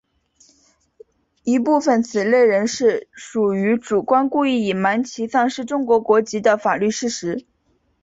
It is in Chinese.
一部分此类人士属于主观故意隐瞒其丧失中国国籍的法律事实。